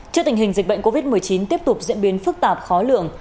trước tình hình dịch bệnh covid một mươi chín tiếp tục diễn biến phức tạp khó lường